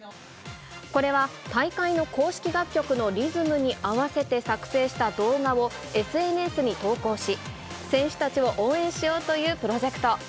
これは大会の公式楽曲のリズムに合わせて作成した動画を、ＳＮＳに投稿し、選手たちを応援しようというプロジェクト。